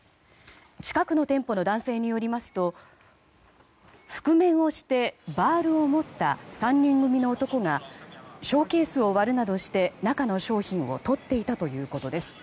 近くの店舗の男性によりますと覆面をしてバールを持った３人組の男がショーケースを割るなどして中の商品をとっていたということです。